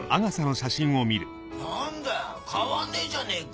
何だ変わんねえじゃねぇか。